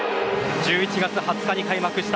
１１月２０日に開幕した